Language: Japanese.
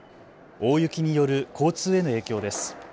大雪による交通への影響です。